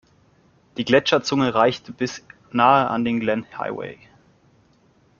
Die Gletscherzunge reichte bis nahe an den Glenn Highway.